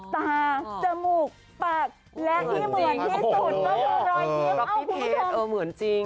ตาจมูกปากและที่เหมือนที่สุดก็คือรอยคิ้วเอ้าคุณผู้ชมเออเหกสีน้อย